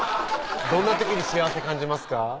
どんな時に幸せ感じますか？